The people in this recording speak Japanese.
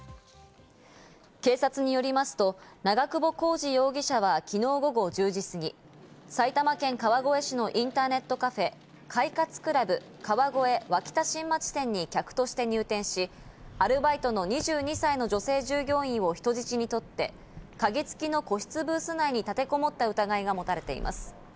警察によりますと、長久保浩二容疑者は昨日午後１０時過ぎ、埼玉県川越市のインターネットカフェ・快活ＣＬＵＢ川越脇田新町店に客として入店し、アルバイトの２２歳の女性従業員を人質にとって、鍵付きの個室ブース内に立てこもった疑いが持たれています。